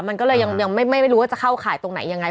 มันก็เลยยังไม่รู้ว่าจะเข้าข่ายตรงไหนยังไง